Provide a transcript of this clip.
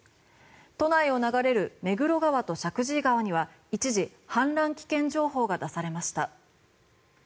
都内を流れる目黒川と石神井川には一時、氾濫危険情報が出されました。